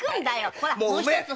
ほらもう一つ！